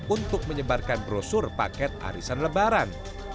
untuk menyebarkan brosur paket arisan lebaran